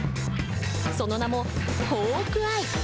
その名も「ホークアイ」。